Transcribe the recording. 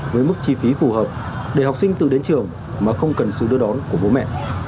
với mức chi phí phù hợp để học sinh tự đến trường mà không cần sự đưa đón của bố mẹ